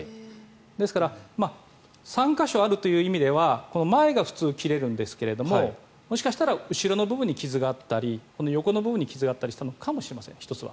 ですから３か所あるという意味では前が普通、切れるんですがもしかしたら後ろの部分に傷があったり、横の部分に傷があったりしたのかもしれません。